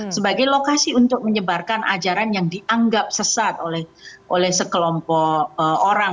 sebagai lokasi untuk menyebarkan ajaran yang dianggap sesat oleh sekelompok orang